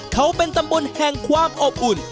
เขาเป็นตำบลแห่งความอบอุ่น